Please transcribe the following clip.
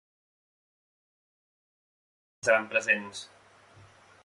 Per tant, quines formacions polítiques hi seran presents?